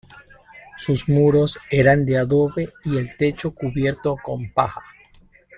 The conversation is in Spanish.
Sus muros eran de adobe y el techo cubierto con paja.